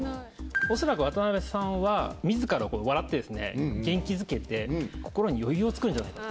恐らく渡部さんは自ら笑って元気づけて心に余裕をつくるんじゃないか。